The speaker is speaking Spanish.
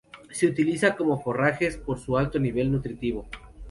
Se utilizan como forrajeras por su alto poder nutritivo.